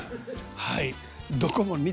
はい。